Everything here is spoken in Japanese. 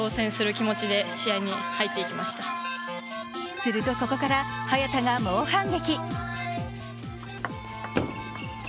すると、ここから早田が猛反撃。